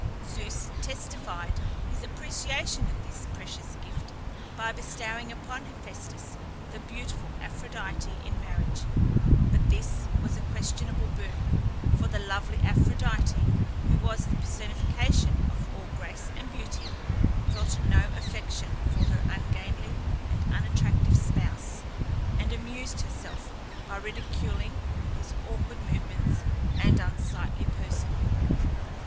Zeus testified his appreciation of this precious gift, by bestowing upon Hephæstus the beautiful Aphrodite in marriage, but this was a questionable boon; for the lovely Aphrodite, who was the personification of all grace and beauty, felt no affection for her ungainly and unattractive spouse, and amused herself by ridiculing his awkward movements and unsightly person.